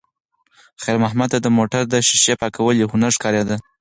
خیر محمد ته د موټر د ښیښې پاکول یو هنر ښکارېده.